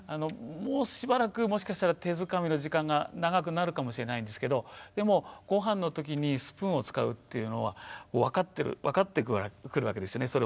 もうしばらくもしかしたら手づかみの時間が長くなるかもしれないんですけどでもごはんの時にスプーンを使うっていうのは分かってくるわけですよね。